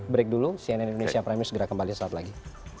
break dulu cnn indonesia premier segera kembali saat ini